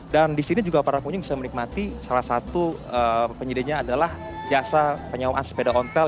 dan di sini juga para pengunjung bisa menikmati salah satu penyidenya adalah jasa penyawaan sepeda ontel